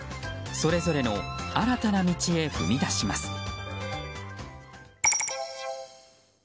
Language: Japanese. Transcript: それぞれの新たな道へ踏み出します。